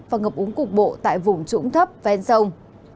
và ngập úng cục bộ tại vùng trũng thấp ven sông